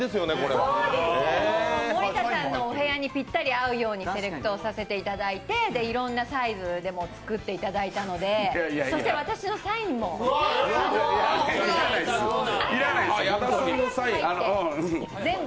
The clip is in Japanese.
もう森田さんのお部屋にぴったり合うようにセレクトさせていただいていろんなサイズでも作っていただいたのでそして私のサインも、全部。